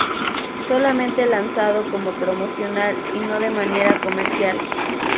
Solamente lanzado como promocional y no de manera comercial.